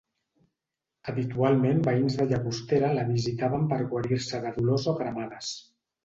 Habitualment veïns de Llagostera la visitaven per guarir-se de dolors o cremades.